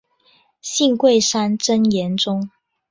信贵山真言宗。